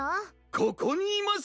ここにいますぞ！